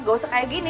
gak usah kayak gini